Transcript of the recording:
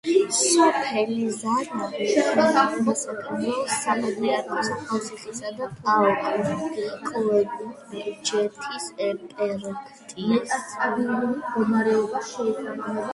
სოფელი ზანავი ექვემდებარება საქართველოს საპატრიარქოს ახალციხისა და ტაო-კლარჯეთის ეპარქიას.